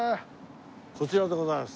こちらでございます。